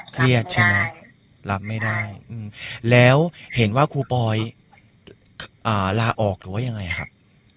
เครียดใช่ไหมรับไม่ได้แล้วเห็นว่าครูปอยลาออกหรือว่ายังไงครับ